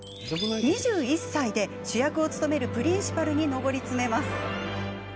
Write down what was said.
２１歳で主役を務めるプリンシパルに上り詰めます。